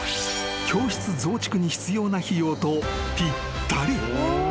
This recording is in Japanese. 教室増築に必要な費用とぴったり］